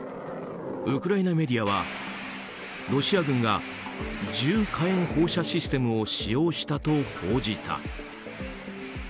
ウクライナメディアはロシア軍が重火炎放射システムを使用したと報じた。